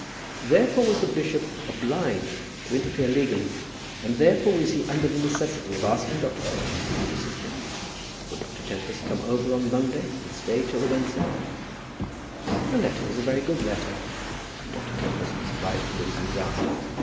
Therefore was the bishop obliged to interfere legally, and therefore was he under the necessity of asking Dr. Tempest to assist him. Would Dr. Tempest come over on the Monday, and stay till the Wednesday? The letter was a very good letter, and Dr. Tempest was obliged to do as he was asked.